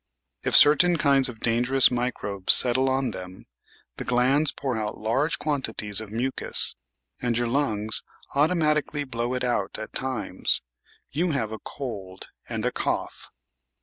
If certain kinds of dangerous microbes settle on them, the glands pour out large quantities of mucus, and your lungs automatically blow it out at times — you have a "cold" and a "cough."